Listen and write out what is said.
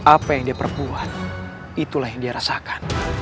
apa yang dia perempuan itulah yang dia rasakan